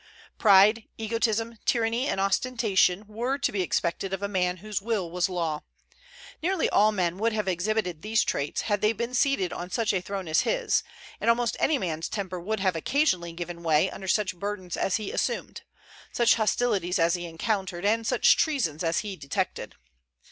Pride, egotism, tyranny, and ostentation were to be expected of a man whose will was law. Nearly all men would have exhibited these traits, had they been seated on such a throne as his; and almost any man's temper would have occasionally given way under such burdens as he assumed, such hostilities as he encountered, and such treasons as he detected.